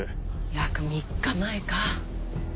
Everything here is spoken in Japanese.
約３日前か。